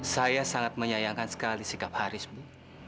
saya sangat menyayangkan sekali sikap haris bu